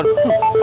tidak ada apa apa